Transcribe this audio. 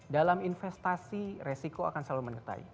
dalam investasi resiko akan selalu menetai